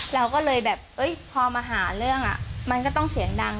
เราก็เลยแบบพอมาหาเรื่องมันก็ต้องเสียงดัง